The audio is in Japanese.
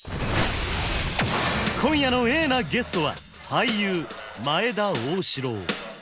今夜のＡなゲストは俳優前田旺志郎